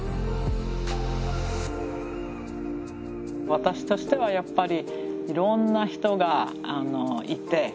私としてはやっぱりいろんな人がいて。